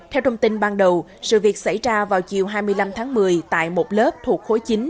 theo thông tin ban đầu sự việc xảy ra vào chiều hai mươi năm tháng một mươi tại một lớp thuộc khối chín